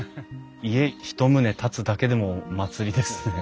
家一棟建つだけでも祭りですね。